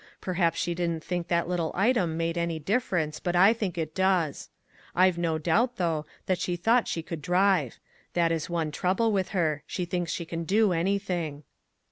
Per haps she didn't think that little item made any difference, but I think it does. I've no doubt, though, that she thought she could drive; that is one trouble with her : she thinks she can do anything."